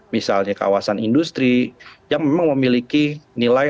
misalnya kawasan industri yang memang memiliki nilai